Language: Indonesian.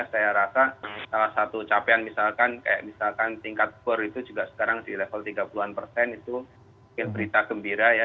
saya rasa salah satu capaian misalkan kayak misalkan tingkat bor itu juga sekarang di level tiga puluh an persen itu berita gembira ya